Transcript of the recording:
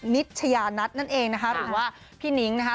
ชยานัทนั่นเองนะคะหรือว่าพี่นิ้งนะคะ